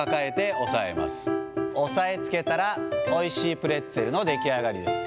押さえつけたらおいしいプレッツェルの出来上がりです。